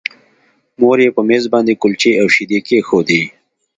مور یې په مېز باندې کلچې او شیدې کېښودې